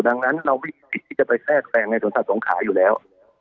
ดังนั้นเราไม่มีสิทธิ์ที่จะไปแทรกแทรงในสวนสัตว์สงขาอยู่แล้ว